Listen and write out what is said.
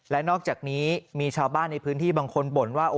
และนอกจากนี้มีชาวบ้านในพื้นที่บางคนบ่นว่า